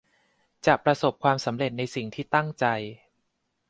จะประสบความสำเร็จในสิ่งที่ตั้งใจ